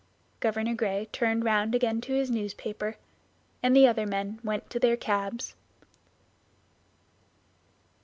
Governor Gray turned round again to his newspaper, and the other men went to their cabs.